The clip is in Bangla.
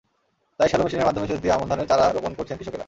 তাই শ্যালো মেশিনের মাধ্যমে সেচ দিয়ে আমন ধানের চারা রোপণ করছেন কৃষকেরা।